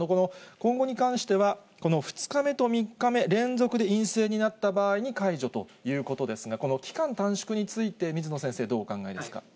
今後に関しては、この２日目と３日目、連続で陰性になった場合に解除ということですが、この期間短縮について、水野先生、どうお考えですか。